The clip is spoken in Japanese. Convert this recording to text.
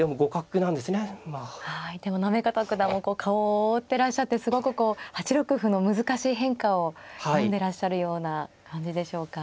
でも行方九段もこう顔を覆ってらっしゃってすごくこう８六歩の難しい変化を読んでらっしゃるような感じでしょうか。